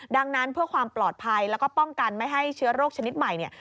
ดังนั้นเพื่อความปลอดภัยแล้วก็ป้องกันไม่ให้เชื้อโรคชนิดใหม่เนี่ย